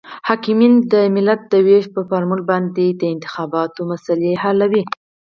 حاکمیان د ملت د وېش پر فارمول باندې د انتخاباتو مسلې حلوي.